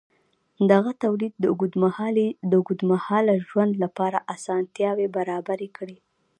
دغه تولید د اوږدمهاله ژوند لپاره اسانتیاوې برابرې کړې.